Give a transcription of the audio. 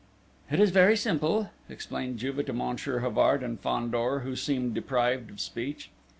"It is very simple," explained Juve to Monsieur Havard and Fandor, who seemed deprived of speech.